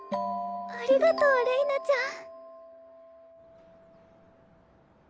ありがとうれいなちゃん。